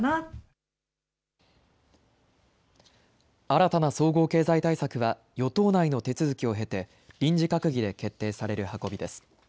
新たな総合経済対策は、与党内の手続きを経て、臨時閣議で決定される運びです。